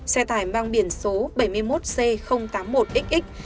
xe tải mang biển số bảy mươi một c tám mươi một xx